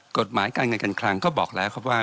กฎหมายการเงินการคลังก็บอกแล้วครับว่า